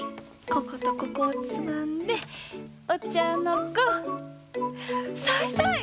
こことここをつまんでお茶の子さいさい！